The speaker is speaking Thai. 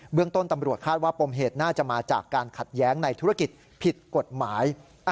เรื่องต้นตำรวจคาดว่าปมเหตุน่าจะมาจากการขัดแย้งในธุรกิจผิดกฎหมาย